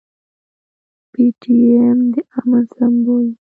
پي ټي ايم د امن سمبول دی.